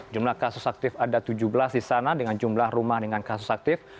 jumlah kasus aktif ada tujuh belas di sana dengan jumlah rumah dengan kasus aktif